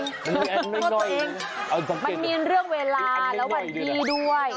โทษตัวเองโทษตัวเองมันมีเรื่องเวลาแล้วบัตรดีด้วยโทษตัวเองมันมีเรื่องเวลาแล้วบัตรดีด้วย